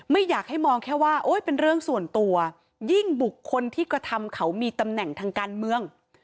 ไม่อยากให้มองแค่ว่าโอ๊ยเป็นเรื่องส่วนตัวยิ่งบุคคลที่กระทำเขามีตำแหน่งทางการเมือง